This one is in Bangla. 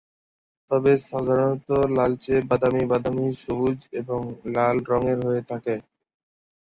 তবে সাধারণত লালচে বাদামী, বাদামী, সবুজ এবং লাল রঙ এর হয়ে থাকে।